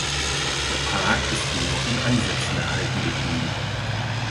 Der Park ist nur noch in Ansätzen erhalten geblieben.